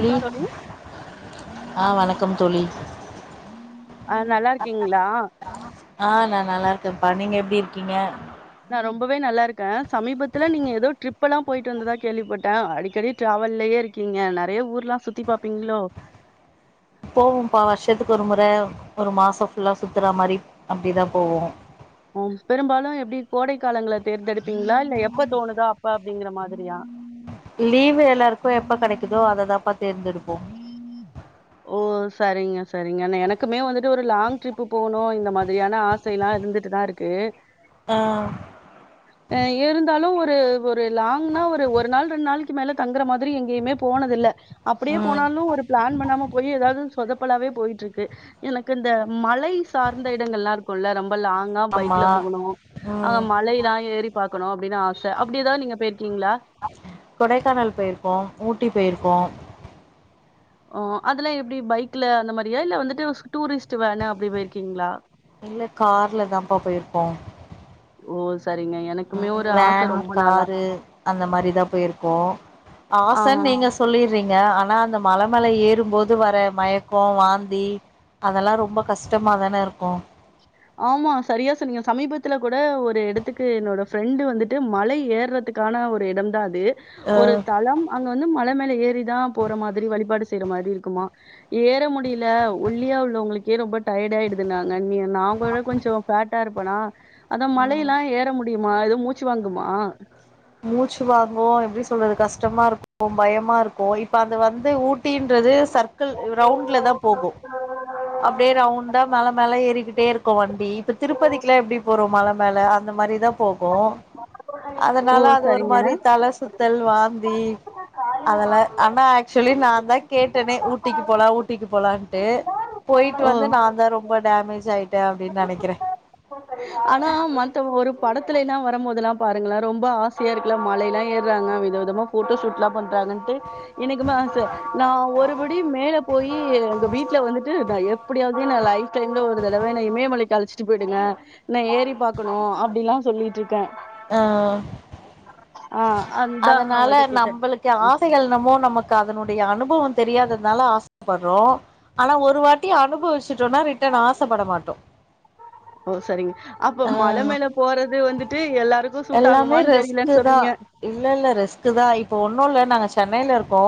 வணக்கம் தோழி ஆ வணக்கம் தோழி அ நல்லா இருக்கீங்களா ஆ நா நல்லா இருக்கேப்பா நீங்க எப்டி இருக்கீங்க நா ரொம்பவே நல்லா இருக்கே சமீபத்துல நீங்க ஏதோ ட்ரிப்பெல்லாம் போயிட்டு வந்ததா கேள்விப்பட்டே அடிக்கடி டிராவல்லயே இருக்கீங்க நெறைய ஊர்ல்லாம் சுத்தி பாப்பீங்களோ போவோம்ப்பா வருஷத்துக்கு ஒரு முற ஒரு மாச ஃபுல்லா சுத்துற மாரி அப்டிதா போவோம் ம் பெரும்பாலு எப்டி கோடைக்காலங்கள தேர்ந்தெடுப்பீங்களா இல்ல எப்ப தோணுதோ அப்ப அப்டிங்கிற மாதிரியா லீவு எல்லாருக்கு எப்ப கிடைக்குதோ அததாப்பா தேர்ந்தெடுப்போ ஓ சரிங்க சரிங்க எனக்குமே வந்துட்டு ஒரு லாங் ட்ரிப்பு போனு இந்த மாதிரியான ஆ சைலாம் இருந்துட்டு தா இருக்கு ஆ அ இருந்தாலு ஒரு ஒரு லாங்னா ஒரு ஒரு நாள் ரெண்டு நாள் மேல தங்குற மாதிரி எங்கேயுமே போனதில்ல அப்டியே ம் போனாலு ஒரு பிளான் பண்ணாம போயி எதாவது சொதப்பலாவே போய்ட்டு இருக்கு எனக்கு இந்த மலை சார்ந்த இடங்கள் எல்லா இருக்கும்ல்ல ரொம்ப லாங்கா ஆமா பைக்ல போகணு ஆ ம் மலைலா ஏறி பாக்கணு அப்டின்னு ஆச அப்டி எதாவது நீங்க பேய்ருக்கீங்களா கொடைக்கானல் போய்ருக்கோம் ஊட்டி போய்ருக்கோம் ஓ அதெல்லாம் எப்டி பைக்ல அந்த மாரியா இல்ல வந்துட்டு டூரிஸ்ட் வேணு அப்டி போய்ருக்கீங்களா இல்ல கார்ல தான்ப்பா போய்ருக்கோம் ஓ சரிங்க எனக்குமே ம் ஒரு ஆச வேன் ரொம்ப நாளா காரு அந்த மாரிதான் போயிருக்கோம் ஆ ஆசன்னு நீங்க சொல்லிறீங்க ஆனா அந்த மல ஏறும்போது வர மயக்கம் வாந்தி அதெல்லாம் ரொம்ப கஷ்டமா தான இருக்கும் ஆமா சரியா சொன்னீங்க சமீபத்துல கூட ஒரு எடத்துக்கு என்னோட ஃப்ரெண்டு வந்துட்டு மலை ஏறது துக்கான ஒரு இடம் தான் அது ஒரு தளம் அங்க வந்து மல மேல ஏறிதான் போற மாதிரி வழிபாடு செய்ற மாதிரி இருக்குமா ஏற முடியல ஒல்லியா உள்ளவங்களுக்கே ரொம்ப டயர்ட் ஆயிடுது நாங்க நீ நா ஒரு கொஞ்சம் ஃபேட்டா இருப்பனா அதா ம் மலயெல்லாம் ஏற முடியுமா எதுவும் மூச்சு வாங்குமா மூச்சு வாங்கும் எப்டி சொல்றது கஷ்டமா இருக்கும் பயமா இருக்கும் இப்ப அது வந்து ஊட்டின்றது சர்க்கிள் ரவுண்ல தான் போகும் அப்டே ரவுண்டா மல மேல ஏறிகிட்டே இருக்கும் வண்டி இப்ப திருப்பதிக்கெல்லாம் எப்டி போறோம் மல மேல அந்த மாரிதான் போகும் ஓ! அதனால அது ஒரு சரிங்க. மாரி தல சுத் தல் வாந்தி அதெல்லாம் ஆனா ஆக்சுவலி நான் தான் கேட்டேனே ஊட்டிக்கு போலாம் ஊட் டிக்கு போலான்ட்டு போய்ட்டு ஓ! வந்து நான் தான் ரொம்ப டேமேஜ் ஆய்ட்டேன் அப்டின்னு நெனைக்கிறேன் ஆனா மந் து ஒரு படத்துல எல்லா வரம்போதெல்லா பாருங்களே ரொம்ப ஆசையா இருக்குல மலயெல்லா ஏறாங்க வித விதமா ஃபோட்டோஷூட்லா பண்றாங்கண்ட்டு எனக்குமா சார் நா ஒருபடி மேல போயி எங்க வீட்ல வந்துட்டு நா எப் எப்டியாவது என்ன லைஃப் டைம்ல ஒரு தடவ என்ன இமயமலைக்கு அழச்சுட்டு போயிடுங்க நா ஏறி பாக்கணு அப்டிலா சொல்லிட்டு இருக்கே ஆ ஆ அதா நா அதனால உங்கள்ட்ட கேட்டே நம்மளுக்கு ஆசைகள் என்னமோ நமக் கு அதனுடைய அனுபவோ தெரியாததுனால ஆசப்படுறோ ஆனா ஒரு வாட்டி அனுபவிச்சுட்டோனா ரிட்டர்ன் ஆசப்பட மாட்டோ ஓ செரிங்க அப்ப ஆ மல மேல போறது வந்துட்டு எல்லாருக்கு சூட் எல்லாமே ஆகுமான் ரிஸ்க்கு தெரியலேன் தா சொல்றீங்க இல்ல இல்ல ரிஸ்கு தா இப்ப ஒன்னு இல்ல நாங்க சென்னையில இருக்கோ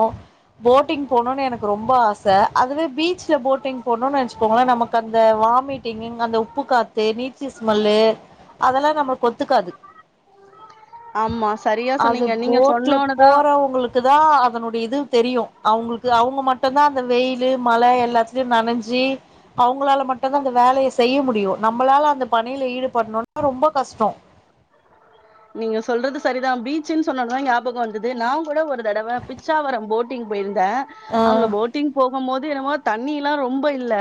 போட்டிங் போணுன் எனக் ரொம்ப ஆச அதுவே பீச்ல போட்டிங் போனுன் நெனச் போனா நமக்கு அந்த வாமிட்டிங்கிங் அந்த உப்பு காத் தே நீச்சு ஸ்மெல்லு அதெல்லா நமக் ஒத்துக்காது ஆமா செரியா அது போட்ல போறவங்களுக் க்கு தா அதனுடைய இது தெரியு அவுங்குளுக்கு அவுங்க மட்டுதா அந்த வெயிலு மழ எல்லாத்தலயு நெனஞ்சு அவுங்களால மட்டுந்தா அந்த வேலய செய்ய முடியு நம்மளால அந்த பணியில ஈடுபடணுனா ரொம்ப கஷ்டோ நீங்க சொல்றது செரிதா பீச்சுன் சொன்னவுடனே ஞாபக வந்தது நா கூட ஒரு தடவ பிச்சாவரம் போட் டிங் போயிருந்தே ஆ அங்க போட்டிங் போகும் போது என்னமோ தண்ணில்லா ரொம்ப இல்ல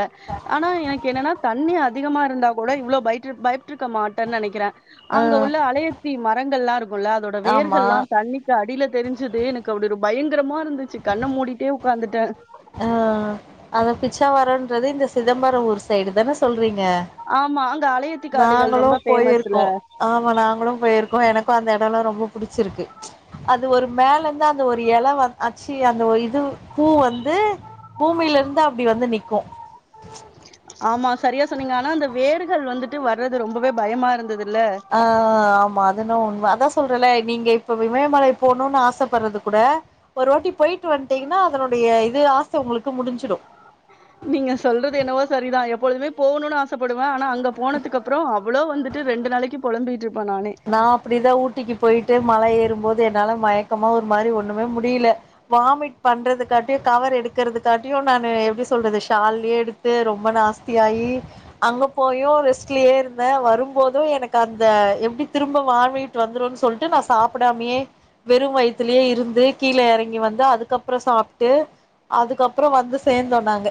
ஆனா எனக்கு என்னன்னா தண்ணி அ அதிகமா இருந்தா கூட இவ்வளவு பயட்ருக் பயப்ட்ருக்க மாட்டேன் நெனைக்கிறே ஆ அங்க உள்ள அலைய த்தி மரங்கள்ல்லா இருக்குல்ல அதோட ஆமா வேர்கள்ல்லா தண்ணி அடியில தெரிஞ்சுது எனக்கு அப்டி ஒரு பயங்கரமா இருந்துச்சு கண்ண மூடிட்டே உட்காந்துட்ட ஆ அந்த பிச்சவரோன்றது இந்த சிதம்பர ஊர் சைடு தான சொல்றீங்க ஆமா அங்க அலையத்தி காடுகள் நாங்களு ரொம்ப பேமஸ்ல போயிருக்கோ ஆமா நாங்களு போயிருக்கோ எனக்கு அந்த எடோல்லா ரொம்ப புடிச்சிருக்கு அது ஒரு மேலர்ருந்து அந்த ஒரு இல வந் ஆச்சி அந்த ஒர் இது பூ வந்து பூமியிலிருந்து அப்டி வந்து நிக்கு ஆமா செரியா சொன்னீங்க ஆனா அந்த வேருகள் வந்துட்டு வர்றது ரொம்பவே பயமா இருந்ததுல்ல ஆ ஆமா அதென்னவோ உண்ம அதா சொல்றல நீங்க இப்ப விமயமலை போணுன் ஆசப்படுறது கூட ஒரு வாட்டி போயிட்டு வன்ட்டீங்கனா அதனுடைய இது ஆச உங்களுக்கு முடிஞ்சிடு நீங்க சொல்றது என்னவோ செரி தா எப்பொழுதுமே போணுன் ஆசைப்படுவே ஆனா அங்க போனதுக்கப்புறோ அவ்ளோ வந்துட்டு ரெண்டு நாளைக்கு பொளம்பிட்டிருப்ப நானே நா அப்டி தா ஊட்டிக்கு போய்ட்டு மழ ஏறும்போது என்னால மயக்கமா ஒரு மாரி ஒண்ணுமே முடியில வாமிட் பண்றதுக்காட்டியு கவர் எடுக்கறதுக்காட்டியு நானு எப்டி சொல்றது ஷால்லயே எடுத் து ரொம்ப நாஸ்தியாயி அங்க போயு ரெஸ்ட்லியே இருந்தே வரும் போது எனக்கு அந்த எப்டி திரும்ப வாமிட் வந்துருன் சொல்லிட்டு நா சாப்டாமியே வெறும் வயித்துலயே இருந்து கீழ எறங்கி வந்து அதுக்கப்புறோ சாப்ட்டு அதுக்கப்புறோ வந்து சேந்தோ நாங்க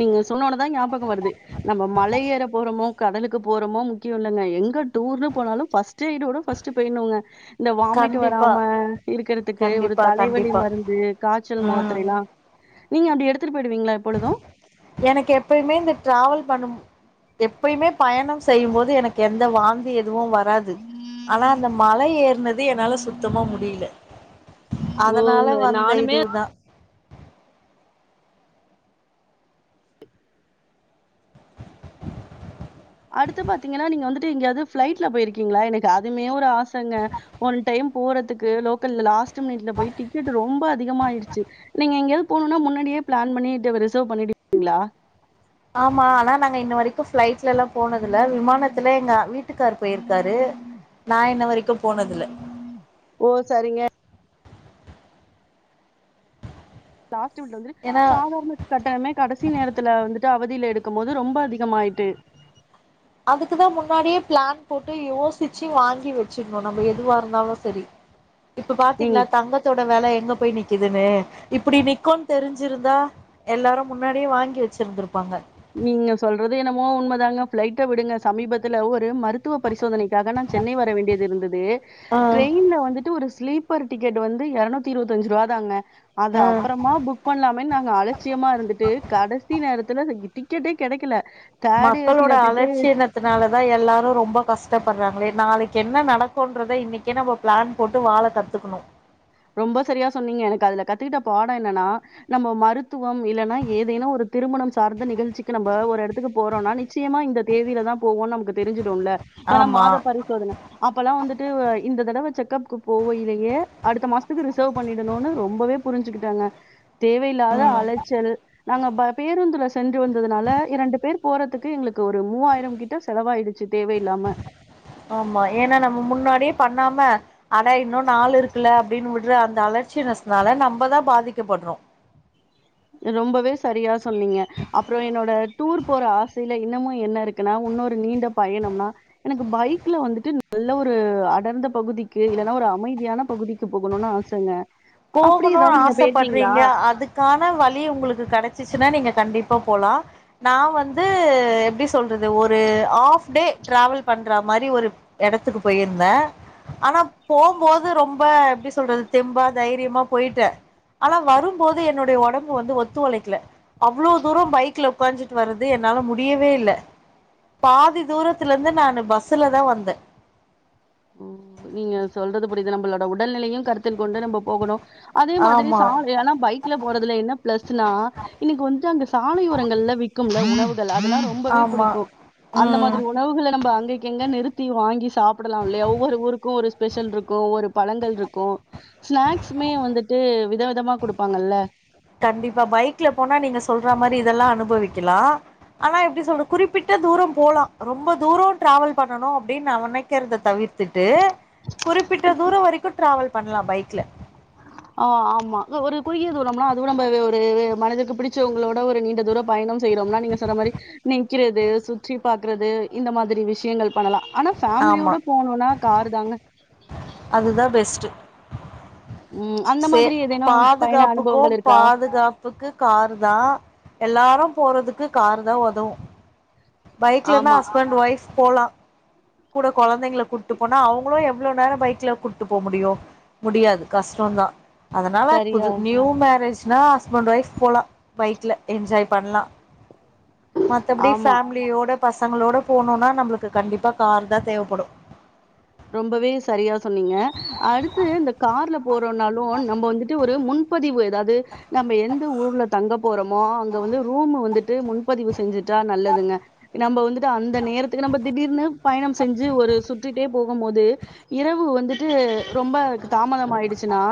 நீங்க சொன்னோனதா ஞாபகோ வருது நாம மல ஏற போறோமோ கடலுக்கு போறோமோ முக்கியோ இல்லேங்க எங்க டூர்ன்னு போனாலு ஃபர்ஸ் ட்டு [unintelligible] ஃபர்ஸ்ட்டு போய்ட்னூங்க இந்த வாமிட் கண்டிப்பா வராம இருக்கறதுக்கு ஒரு கண்டிப்பா தலைவலி கண்டிப்பா மருந்து காச்சல் ம் மாத்தரேலா நீங்க அப்டி எடுத்துட்டு போய்டுவீங்களா எப்பொழுது எனக்கு எப்பைமே இந்த டிராவல் பண்ணு எப்பைமே பயணம் செய்யும் போது எனக்கு எந்த வாந்தி எதுவு வ ராது ஆனா அந்த மல ஏற்னது என்னால சுத்தமா முடில ஓ அதனால வந்த நானுமே இது தா அடுத்து பாத்தீங்கன்னா நீங்க வந்துட்டு எங்கயாது ஃப்ளைட்ல போய்ருக்கீங்களா எனக்கு அதுமே ஒரு ஆசங்க ஒன் டைம் போறதுக்கு லோக்கல்ல லாஸ்ட் மினிட்ல போய் டிக்கெட் ரொம்ப அதிகமாயிடுச்சு நீங்க எங்கயாது போணுன்னா முன்னாடியே பிளான் பண்ணிட்டு ரிசர்வ் பண்ணிடுவீங்களா ஆமா அனா நாங்க இன்ன வரைக்கு ஃப்ளைட்ல்லலா போனதில்ல விமானத்துல எங்க வீட்டுக்காரு போய்ருக்காரு நா இன்ன வரைக்கு போனதில்ல ஓ சரிங்க லாஸ்ட மினிட்ல வந்து ஏன்னா சாதாரண கட்டணமே கடைசி நேரத்துல வந்துட்டு அவதில எடுக்கு போது ரொம்ப அதிகமாய்ட்டு அதுக்கு தா முன்னாடியே பிளான் போட்டு யோசிச்சு வாங்கி வெச்சிடுணு நம்ம எதுவா இருந்தாலு செரி இப்ப நீங்க பாத்தீங்களா தங்க த்தோட வெல எங்க போய் நிக்குதுன்னு இப்டி நிக்குன்னு தெரிஞ்சிருந்தா எல்லாரு முன்னாடியே வாங்கி வெச்சிருந்திருப்பாங்க நீங்க சொல்றது என்னமோ உண்ம தாங்க ஃப்ளைட்ட விடுங்க சமீபத்துல ஒரு மரு த்துவ பரிசோதனைக்காக நா சென்னை வர வேண்டியது இருந்தது ஆ ட்ரெயின்ல வந்துட்டு ஒரு ஸ்லீப் அப்பர் டிக்கெட் வந்து இருநூத்தி இருவத்தஞ்சு ரூவா தாங்க அது அப்புறமா புக் பண்ணலாமேன் நாங்க அலட்சியமா இருந்துட்டு கடைசி நேரத்துல இந்த டிக்கெட்டே கெடைக்கல மக்களோட போய் அலட்சிய த்துனால தா எல்லாரு ரொம்ப கஷ்டப்படுறாங்களே நாளைக்கு என்ன நடக்குன்றத இன்னைக்கே நம்ம பிளான் போட்டு வாழ கத்துக்கணு ரொம்ப செரியா சொன்னீங்க எனக்கு அதுல கத்துட்ட பாடோ என்னென்னா நம்ம மருத்துவம் இல்லன்னா ஏதேனு ஒரு திருமணம் சார்ந்த நிகழ்ச்சிக்கு நம்ம ஒரு எடத்துக்கு போறோனா நிச்சயமா இந்த தேதில தா போவோன்னு நமக்கு தெரிஞ்சிடுல ஏன்னா ஆமா மாத பரி போதுங்க அப்பெல்லா வந்துட்டு இந்த தடவ செக் அப்க்கு போவ இலயே அடுத்த மாசத்துக்கு ரிசர்வ் பண்ணிடனு ரொம்பவே புரிஞ்சுக்கிட்டாங்க தேவையில்லாத அல ச்சல் நாங்க ப பேருந்துல சென்று வந்ததுனால இரண்டு பேர் போறதுக்கு எங்களுக்கு ஒரு மூவாயிரம் கிட்ட செலவாயிடுச்சு தேவையில்லாம ஆமா ஏன்னா நம்ம முன்னாடியே பண்ணாம ஆனா இன்னு நாள் இருக்குல அப்டின்னு விட்டுற அந்த அலச்சியஸ்னால நம்ம தா பாதிக்கப்பட்றோ ரொம்பவே சரியா சொன்னீங்க அப்புறோ என்னோட டூர் போற ஆசைல இன்னமு என்ன இருக் குனா இன்னொரு நீண்ட பயணம்னா எனக்கு பைக்ல வந்துட்டு நல்ல ஒரு அடர்ந்த பகுதிக்கு இல்லன்னா ஒரு அமைதியான பகுதிக்கு போகணுனா ஆ சங்க போகணுனு ஆசப்படுறீங்க அதுக்கான வழி உங்களுக்கு கடைச் ச்சுன்னா நீங்க கண்டிப்பா போலா நா வந்து எப்படி சொல்றது ஒரு ஆப் டே டிராவல் பண்ற மாரி ஒரு எடத்துக்கு போயிருந்த‌ ஆனா போம்போது ரொம்ப எப்படி சொல்றது தெம்பா தைரியமா போயிட்ட ஆனா வரும்போது என்னுடைய ஒடம்பு வந்து ஒத்து ஒழைக்கல அவ்வளவு தூர பைக்ல உக்காஞ்சிட்டு வரது என்னால முடியவே இல்ல பாதி தூரத்துல இருந்து நானு பஸ்ஸுல தா வந்த ம் நீங்க சொல்றது புரிது நம்பளோட உடல்நிலையு கருத்தில் கொண்டு நம்ப போகணு அதே மாதிரி ஆமா சாலையானா பைக் ல்ல போறதுல என்ன ப்ளஸ்னா இன்னைக்கு வந்துட்டு அங்க சாலை ஓரங்கள்ல விக்கும்ல உணவுகள் அதெல்லா ரொம்பவே ஆமா புடிக்கு அந்த ம் மாதிரி உணவுகள நம்ப அங்கேக்கங்க நிறுத்தி வாங்கி சாப்பிடலா இல்லையா ஒரு ஊருக்கு ஒரு ஸ்பெஷல் இருக்கு ஒரு பழங்கள் இருக்கு ஸ்நாக்ஸுமே வந்துட்டு விதவிதமா குடுப்பாங்கல்ல கண்டிப்பா பைக்ல போனா நீங்க சொல்ற மாரி இதெல்லா அனுபவிக்கலா ஆனா எப்டி சொல்ற குறிப்பிட்ட தூர போலா ரொம்ப தூர ட்ராவல் பண்ணணு அப்டின் நா நெனைக்கிறத தவிர்த் த்துட்டு குறிப்பிட்ட தூர வரைக்கு ட்ராவல் பண்லா பைக்ல ஆ ஆமா ஒரு குறுகிய தூரோம்னா அது விட நம்ப ஒரு மனதுக்கு பிடிச்சவங்களோட ஒரு நீண்ட தூர பயணம் செய்யறோம்னா நீங்க சொன்ன மாரி நிக்கிறது சுற்றி பாக்குறது இந்த மாதிரி விஷயங்கள் பண்ணலா ஆனா ஆமா ஃபேமிலியோட போனுனா காரு தாங்க அதுதா பெஸ்ட்டு ம் அந்த சே மாதிரி ஏதேனு பயண பாதுகாப்புக்கு அனுபவங்கள் இருக்கா பாதுகாப் புக்கு கார்தா எல்லாரு போறதுக்கு கார்தா ஒதவு பைக்லனா ஆமா ஹஸ்பண்ட் ஒய்ஃப் போலா கூட கொழந்தைங்கள கூட்டு போனா அவங்களு எவ்ளோ நேர பைக்ல கூட்டு போ முடியு முடியாது கஷ்டந்தா அதனால புது சரியா நியூ மேரேஜ்னா ஹஸ்பண்ட் ஒய்ஃப் போலா பைக்ல என்ஜாய் பண்லா மத்தபடி ஆமா ஃபேமிலியோட பசங்களோட போனுனா நம்ளுக்கு கண்டிப்பா கார்தா தேவப்படு ரொம்பவே சரியா சொன்னீங்க அடுத்து இந்த கார்ல போறோனாலு நம்ம வந்துட்டு ஒரு முன் பதிவு எதாது நம்ம எந்த ஊர்ல தங்க போறோமோ அங்க வந்து ரூம் வந்துட்டு முன்பதிவு செஞ்சுட்டா நல்லதுங்க நம்ம வந்துட்டு அந்த நேரத்துக்கு நம்ம திடீர்னு பயண செஞ்சு ஒரு சுத்திட்டே போகும்போது இரவு வந்துட்டு ரொம்ப தாமதம் ஆயிடுச்சுன்னா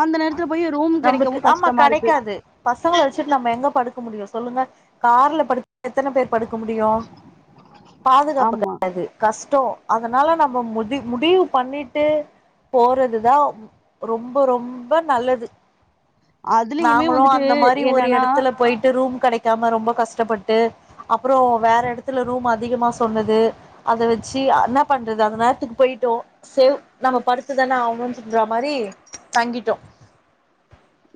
அந்த நேரத்துல போய் ரூம் கெடைக்கவு நம்ளுக்கு ஆமா கஷ்டமா இருக்கு கெடைக்காது பசங்கள வச்சுட்டு நம்ம எங்க படுக்க முடியு சொல்லுங்க கார்ல படு எத்தன பேர் படுக்க முடியு பாதுகாப்பு [inaudible] ஆமா. யாது கஷ்டோ அதனால நம்ம முதி முடிவு பண்ணிட்டு போறதுதா ரொம்ப ரொம்ப நல்லது அதுலயுமே நாங்களு வந்துட்டு அந்த மாரி ஒரு என்னன்னா எடத்துல போய்ட்டு ரூம் கெடைக்காம ரொம்ப கஷ்டப்பட்டு அப்றோ வேற எடத்துல ரூம் அதிகமா சொன்னது அத வச்சி என்னா பண்றது அந்த நேரத்துக்கு போய்ட்டோ சேவ் நம்ம படுத்துதான ஆவணு சொல்ற மாரி தங்கிட்டோ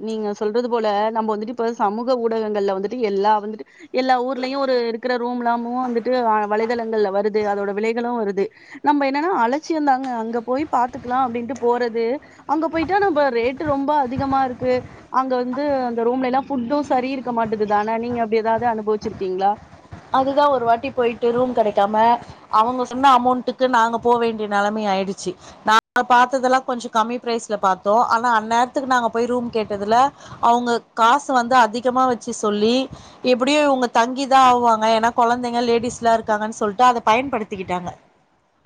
நீங்க சொல்றது போல நம்ம வந்துட்டு இப்ப சமூக ஊடகங்கள்ல வந்துட்டு எல்லா வந்துட்டு எல்லா ஊர்லயு ஒரு இருக்கிற ரூம்லாமு வந்துட்டு வலைதளங்கள்ல வருது அதோட விலைகளு வருது நம்ம என்னன்னா அலச்சியந்தாங்க அங்க போய் பாத்துக்கலா அப்டின்ட்டு போறது அங்க போய்ட்டா நம்ப ரேட்டு ரொம்ப அதிகமா இருக்கு அங்க வந்து அந்த ரூம்ல எல்லா புஃட்டு சரி இருக்க மாட்டுதுதானே நீங்க அப்டி எதாவ்து அனுபவிச்சிருக்கீங்ளா அதுதா ஒரு வாட்டி போய்ட்டு ரூம் கெடைக்காம அவங்க சொன்ன அமௌண்ட்டுக்கு நாங்க போ வேண்டிய நெலமை ஆயிடுச்சு நா பாத்ததெல்லா கொஞ்சோ கம்மி ப்ரைஸ்ல பாத்தோ ஆனா அந்நேரத்துக்கு நாங்க போய் ரூம் கேட்டதுல அவங்க காசு வந்து அதிகமா வச்சு சொல்லி எப்டியோ இவங்க தங்கிதா ஆவுவாங் க ஏன்னா கொழந்தைங்க லேடிஸ்லா இருக்காங்கன்னு சொல்ட்டு அத பயன்படுத்திக்கிட்டாங்க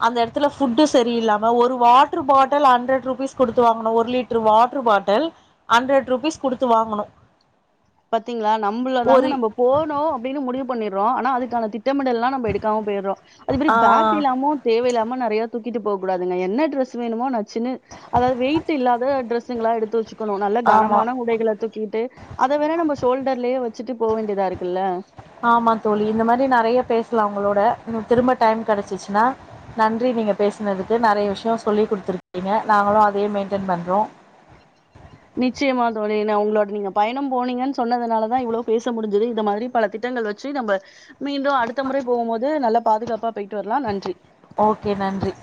அந்த எடத்துல ஃபுட்டு செரியில்லாம ஒரு வாட்டர் பாட்டல் ஹண்ட்ரட் ருபீஸ் குடுத்து வாங்னோ ஒரு litre water bottle hundred rupees குடுத்து வாங்னோ பாத்தீங்களா நம்மளதாங்க நம்ம போனு அப்டின்னு முடிவு பண்ணிறோ ஆனா அதுக்கான திட்டமிடெல்லா நம்ப எடுக்காம போயிறோ அது மாரி ஆ பேக் எல்லாமோ தேவையில்லாம நெறய தூக்கிட்டு போ கூடாதுங்க என்ன ட்ரெஸ் வேணுமோ நச்சுன்னு அதாது வெயிட் இல்லாத டிரெஸ்ங்கெல்லா எடுத்து வெச்சு க்கணு நல்ல ஆமா கனமான உடைகள தூக்கிட்டு அத வேற நம்ம ஷோல்டர்லயே வச்சுட்டு போ வேண்டியதா இருக்குல்ல ஆமா தோழி இந்த மாரி நெறய பேசலா உங்களோட திரும்ப டைம் கெடச்சிச்சுன்னா நன்றி நீங்க பேசுனதுக்கு நெறய விஷயோ சொல்லி் குடுத்துருக்கீங்க நாங்களு அதயே மெயின்டென் பண்றோ நிச்சயமா தோழி உங்களோட நீங்க பயனம் போனீங்கன்னு சொன்னதுனால தா இவ்ளோ பேச முடுஞ்சுது இது மாரி பல திட்டங்கள் வெ ச்சு நம்ப மீண்டு அடுத்த முறை போம் போது நல்ல பாதுகாப்பா போயிட்டு வரலா நன்றி ஓகே நன்றி